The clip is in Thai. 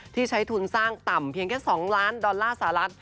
ที่ใช้ทุนสร้างต่ำเพียงแค่๒ล้านดอลลาร์สหรัฐ